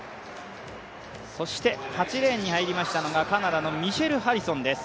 ８レーンに入りましたのがカナダのミシェル・ハリソンです。